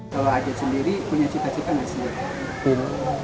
kalau ajat sendiri punya cita citanya sendiri